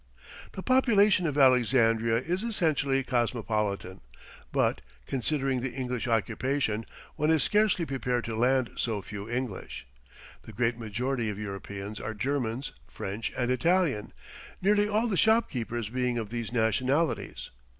The population of Alexandria is essentially cosmopolitan, but, considering the English occupation, one is scarcely prepared to find so few English. The great majority of Europeans are Germans, French, and Italian, nearly all the shopkeepers being of these nationalities.